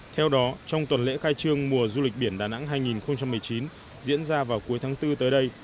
theo đó trong tuần lễ khai trương mùa du lịch biển đà nẵng hai nghìn một mươi chín diễn ra vào cuối tháng bốn tới đây